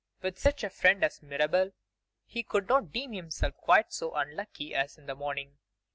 With such a friend as Mirabel, he could not deem himself quite so unlucky as in the morning.